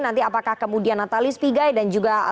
nanti apakah kemudian natalis pigai dan juga